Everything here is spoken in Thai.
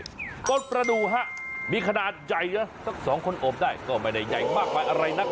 ต้นประดูกฮะมีขนาดใหญ่นะสักสองคนโอบได้ก็ไม่ได้ใหญ่มากมายอะไรนัก